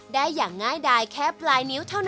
ได้อย่างง่ายดายแค่ปลายนิ้วเท่านั้น